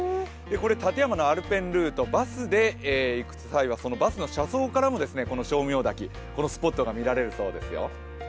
立山のアルペンルート、バスで行く際はバスの車窓からも称名滝、このスポットが見えるそうですよ。